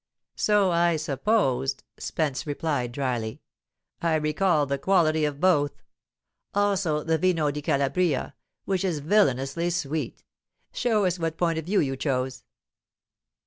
"So I supposed," Spence replied, drily. "I recall the quality of both. Also the vino di Calabria, which is villanously sweet. Show us what point of view you chose."